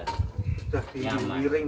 iya ini sudah ditambahin